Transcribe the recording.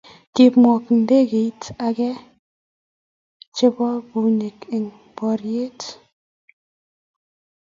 Komwok ndegeinik aeng' chebo bunik eng' poryet.